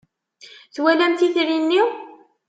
Twalamt itri-nni?